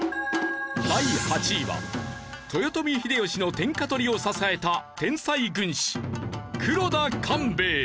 第８位は豊臣秀吉の天下取りを支えた天才軍師黒田官兵衛。